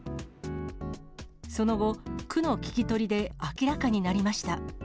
その後、区の聞き取りで明らかになりました。